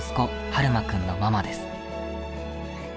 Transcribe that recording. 晴眞くんのママです。